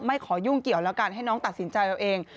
ขอยุ่งเกี่ยวแล้วกันให้น้องตัดสินใจเอาเอง